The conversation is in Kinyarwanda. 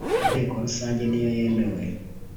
inteko rusange niyo yemewe